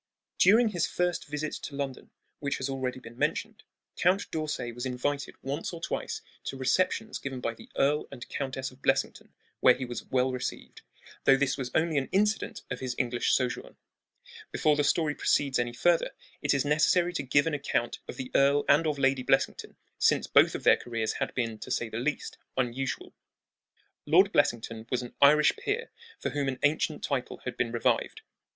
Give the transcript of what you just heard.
During his firsts visit to London, which has already been mentioned, Count d'Orsay was invited once or twice to receptions given by the Earl and Countess of Blessington, where he was well received, though this was only an incident of his English sojourn. Before the story proceeds any further it is necessary to give an account of the Earl and of Lady Blessington, since both of their careers had been, to say the least, unusual. Lord Blessington was an Irish peer for whom an ancient title had been revived.